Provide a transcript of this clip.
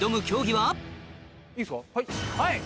はい。